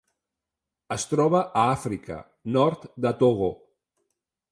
Es troba a Àfrica: nord de Togo.